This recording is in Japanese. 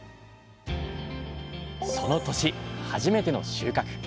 その年初めての収穫。